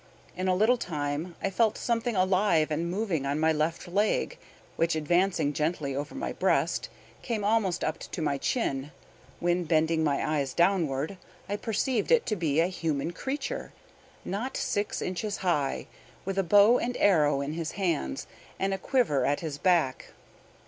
In a little time I felt something alive and moving on my left leg, which, advancing gently over my breast, came almost up to my chin, when, bending my eyes downward, I perceived it to be a human creature, not six inches high, with a bow and arrow in his hands, and a quiver at his back.